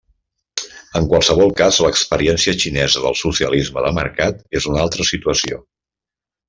En qualsevol cas, l'experiència xinesa del socialisme de mercat és una altra situació.